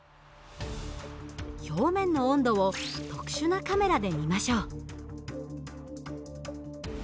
表面の温度を特殊なカメラで見ましょう。